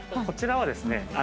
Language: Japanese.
こちらはですね